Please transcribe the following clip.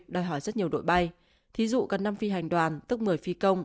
đòi hỏi rất nhiều đội bay thí dụ cần năm phi hành đoàn tức một mươi phi công